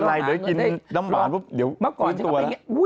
ไปกินน้ำหวานเดี๋ยวเป็นตัวแล้ว